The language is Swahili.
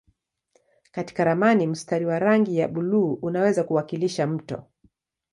Katika ramani mstari wa rangi ya buluu unaweza kuwakilisha mto.